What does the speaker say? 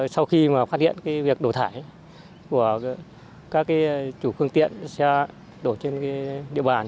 sau khi mà phát hiện việc đổ thải của các chủ phương tiện xe đổ trên địa bàn